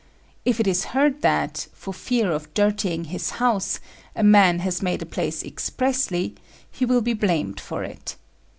If it is heard that, for fear of dirtying his house, a man has made a place expressly, he will be blamed for it.